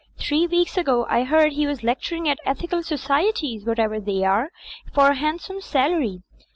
Three weeks ago I heard he was lecturing at Ethical Societies — whatever they are — for a handsome salary.